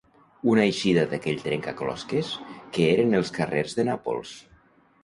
Una eixida d'aquell trencaclosques que eren els carrers de Nàpols.